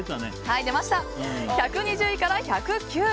１２０位から１０９位。